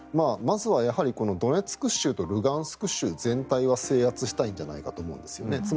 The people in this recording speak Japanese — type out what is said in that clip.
まずはドネツク州とルハンシク州全体は制圧したいんじゃないかと思うんですよね。